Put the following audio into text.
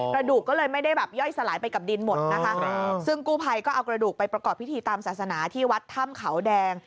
กระดูกก็เลยไม่ได้แบบย่อยสลายไปกับดินหมดนะคะซึ่งกู้ภัยก็เอากระดูกไปประกอบพิธีตามศาสนาที่วัดถ้ำเขาแดง